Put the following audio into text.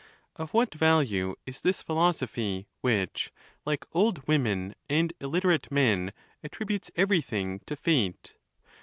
Of what value is this philosophy, which, like old women and illiterate men, attributes everything to fate ?